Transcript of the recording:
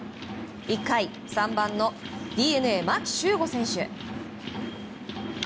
１回、３番のＤｅＮＡ、牧秀悟選手。